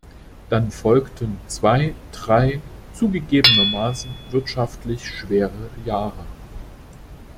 Dann folgten zwei, drei zugegebenermaßen wirtschaftlich schwere Jahre.